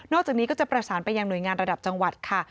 จากนี้ก็จะประสานไปยังหน่วยงานระดับจังหวัดค่ะ